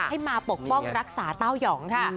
ให้มาปกป้องรักษาเต้ายองค่ะ